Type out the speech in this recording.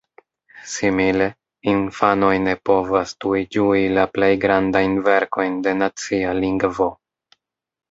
Simile, infanoj ne povas tuj ĝui la plej grandajn verkojn de nacia lingvo!